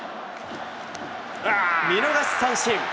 見逃し三振。